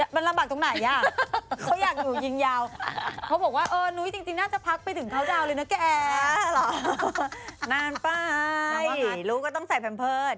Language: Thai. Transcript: มันลำบากตรงไหนอ่ะเขาอยากอยู่ยิงยาวเขาบอกว่าเออนุ้ยจริงน่าจะพักไปถึงเขาดาวนเลยนะแกนานไปไหนรู้ก็ต้องใส่แพมเพิร์ต